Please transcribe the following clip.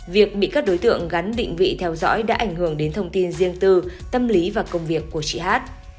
việc bị các đối tượng gắn định vị theo dõi đã ảnh hưởng đến thông tin riêng tư tâm lý và công việc của chị hát